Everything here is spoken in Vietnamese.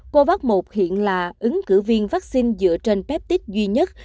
covax một hiện là ứng cử viên vaccine dựa trên peptic duy nhất